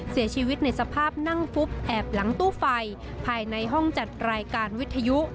เสียชีวิตในสภาพนั่งฟุบแอบหลังตู้ไฟภายในห้องจัดรายการวิทยุ